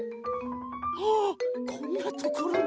あこんなところに。